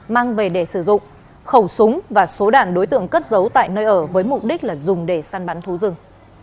mang về để sử dụng khẩu súng và số đạn đối tượng cất giấu tại nơi ở với mục đích là dùng để săn bắn thú rừng